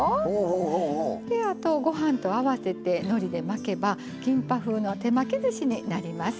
あとご飯と合わせてのりで巻けばキンパ風の手巻きずしになります。